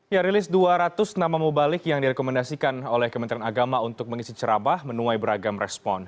ya rilis dua ratus nama mubalik yang direkomendasikan oleh kementerian agama untuk mengisi ceramah menuai beragam respon